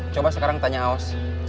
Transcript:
coba sekarang tanya aus